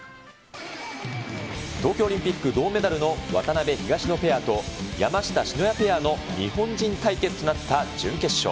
東京オリンピック銅メダルの渡辺・東野ペアと、山下・篠谷ペアの日本人対決となった準決勝。